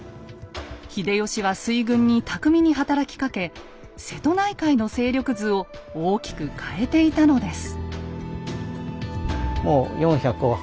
秀吉は水軍に巧みに働きかけ瀬戸内海の勢力図を大きく変えていたのです。